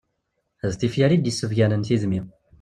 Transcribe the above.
D tifyar i d-issebganen tidmi.